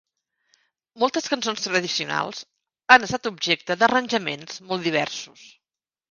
Moltes cançons tradicionals han estat objecte d'arranjaments molt diversos.